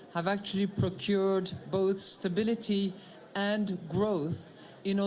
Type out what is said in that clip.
sebenarnya telah memperoleh stabilitas dan kekuatan